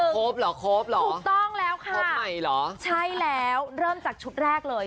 ครบเหรอครบเหรอถูกต้องแล้วค่ะครบใหม่เหรอใช่แล้วเริ่มจากชุดแรกเลย